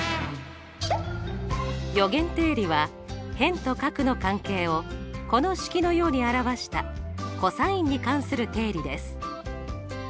余弦定理は辺と角の関係をこの式のように表したｃｏｓに関する定理です。